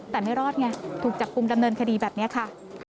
แต่ไม่รอดไงถูกจับกลุ่มดำเนินคดีแบบนี้ค่ะ